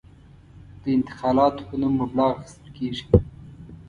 د انتقالاتو په نوم مبلغ اخیستل کېږي.